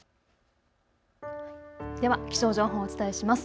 では気象情報をお伝えします。